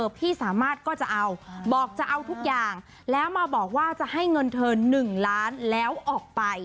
พี่สามารถก็จะเอาบอกจะเอาทุกอย่างแล้วมาบอกว่าจะให้เงินเธอ๑ล้านแล้วออกไป